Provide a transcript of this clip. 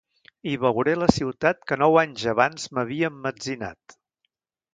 I veuré la ciutat que nou anys abans m'havia emmetzinat.